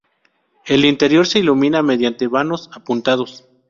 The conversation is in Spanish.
El interior se ilumina mediante vanos apuntados.